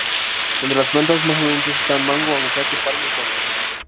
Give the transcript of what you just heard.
Entre las plantas más abundantes están: Mango, Aguacate, Palma y coco.